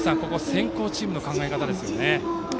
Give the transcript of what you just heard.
先攻チームの考え方ですよね。